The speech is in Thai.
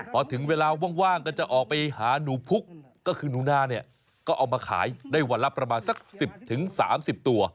เพราะถึงเวลาว่างจะออกไปหาหนูภุกก็คือนูน่าก็เอามาขายได้วัณรับประมาณ๑๐๓๐ตัว